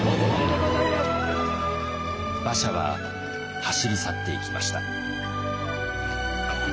馬車は走り去っていきました。